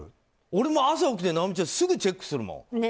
俺も朝起きてすぐチェックするもん。